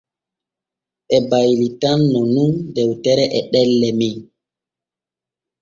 Ɓe baylitanno nun dewtere e ɗelle men.